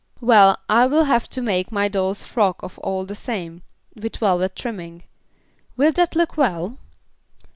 "Well, I will have to make my doll's frock of all the same, with velvet trimming. Will that look well?"